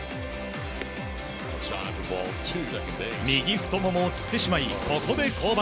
右太ももをつってしまいここで降板。